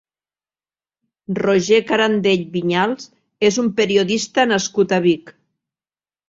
Roger Carandell Viñals és un periodista nascut a Vic.